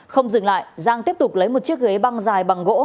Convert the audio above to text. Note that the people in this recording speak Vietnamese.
không dừng lại giang tiếp tục lấy một chiếc ghế băng dài bằng gỗ